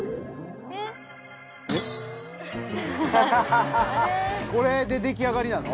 ハハハハこれで出来上がりなの？